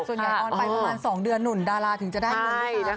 ส่วนใหญ่ออนไปประมาณ๒เดือนหนุนดาราถึงจะได้เงินละคราว